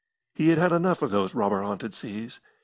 He had had enough of those robber haunted seas.